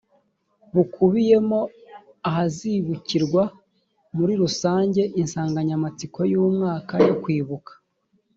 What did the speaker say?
bukubiyemo ahazibukirwa muri rusange insanganyamatsiko y ‘umwaka yo kwibuka.